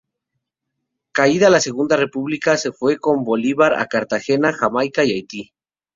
Caída la segunda república se fue con Bolívar a Cartagena, Jamaica y Haití.